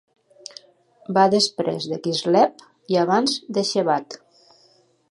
Va després de Kislev i abans de Shevat.